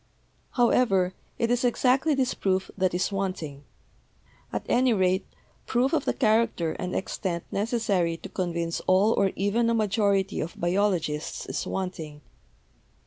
"However, it is exactly this proof that is wanting. At any rate, proof of the character and extent necessary to convince all or even a majority of biologists is wanting.